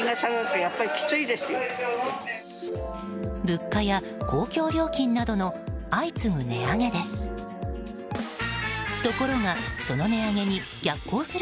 物価や公共料金などの相次ぐ値上げです。